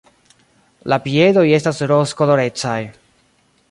La piedoj estas rozkolorecaj.